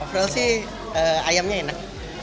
overall sih ayamnya enak